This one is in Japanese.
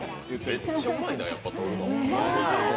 めっちゃうまいな、やっぱ撮るの。